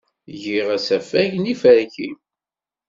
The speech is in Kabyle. Giɣ asafag n yiferki.